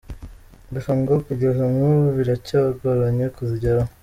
Gusa ngo kugeza n’ubu, biracyagoranye kuzigeraho.